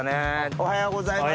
おはようございます。